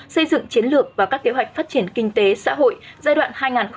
xây dựng chiến lược và các kế hoạch phát triển kinh tế xã hội giai đoạn hai nghìn hai mươi một hai nghìn ba mươi